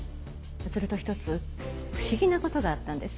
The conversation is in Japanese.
すると一つ不思議なことがあったんです。